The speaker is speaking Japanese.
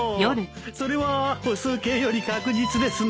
それは歩数計より確実ですね。